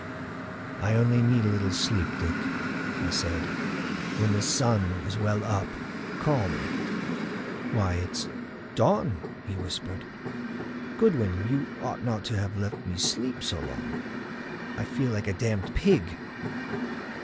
"I only need a little sleep, Dick," I said. "When the sun is well up, call me." "Why, it's dawn," he whispered. "Goodwin, you ought not to have let me sleep so long. I feel like a damned pig."